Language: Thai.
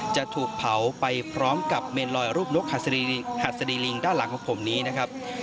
จะถูกเผาไปพร้อมกับเมนลอยรูปนกหัสดีลิงด้านหลังของผมนี้นะครับ